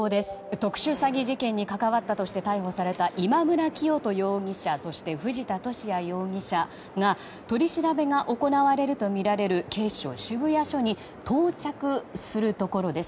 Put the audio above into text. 特殊詐欺事件に関わったとして逮捕された今村磨人容疑者そして藤田聖也容疑者が取り調べが行われるとみられる警視庁渋谷署に到着するところです。